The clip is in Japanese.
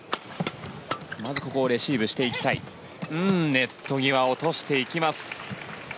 ネット際を落としていきます。